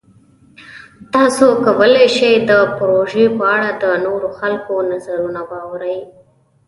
تاسو کولی شئ د پروژې په اړه د نورو خلکو نظرونه واورئ.